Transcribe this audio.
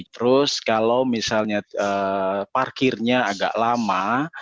terus kalau misalnya parkirnya agak lama